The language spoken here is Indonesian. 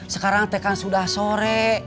sekarang teh kan sudah sore